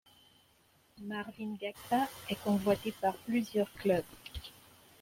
Marvin Gakpa est convoité par plusieurs clubs.